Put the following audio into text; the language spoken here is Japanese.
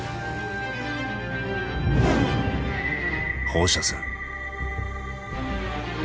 放射線。